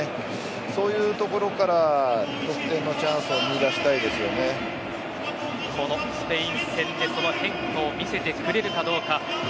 そういうところから得点チャンスをこのスペイン戦で変化を見せてくれるかどうか。